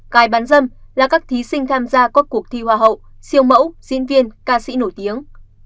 cái bán dâm là các thí sinh tham gia các cuộc thi hoa hậu siêu mẫu diễn viên ca sĩ nổi tiếng